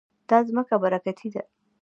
دا ځمکه برکتي ده.